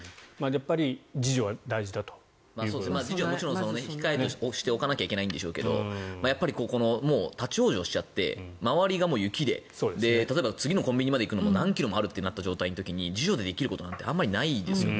自助は控えとしてしておかないといけないんでしょうけどこの立ち往生しちゃって周りが雪で例えば、次のコンビニまで行くのに何キロまであるという時に自助でできることなんてあまりないですよね。